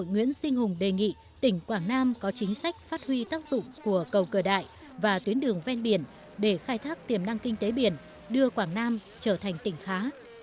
nguyễn sinh hùng đề nghị tỉnh quảng nam có chính sách phát huy tác dụng của cầu cửa đại và tuyến đường ven biển để khai thác tiềm năng kinh tế biển đưa quảng nam trở thành tỉnh khá